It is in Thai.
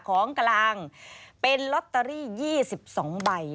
ของกลางเป็นลอตเตอรี่๒๒ใบ